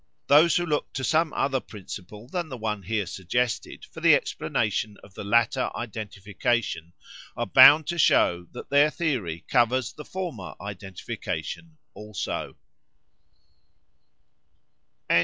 Those who look to some other principle than the one here suggested for the explanation of the latter identification are bound to show that their theory covers the former identification also.